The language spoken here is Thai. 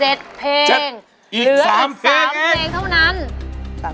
เหลือ๓เพลงเท่านั้น